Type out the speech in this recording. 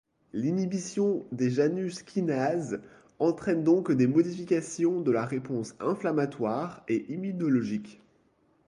L'inhibition des janus kinases entraînent donc des modifications de la réponse inflammatoire et immunologique.